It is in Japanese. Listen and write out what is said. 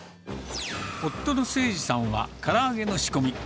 夫のせいじさんは、から揚げの仕込み。